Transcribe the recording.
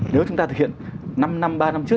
nếu chúng ta thực hiện năm năm ba năm trước